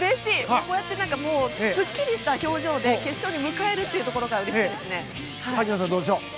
こうやってすっきりした表情で決勝に迎えるというところが萩野さん、どうでしょう。